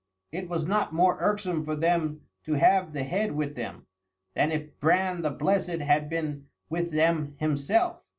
It was not more irksome for them to have the head with them, than if Bran the Blessed had been with them himself.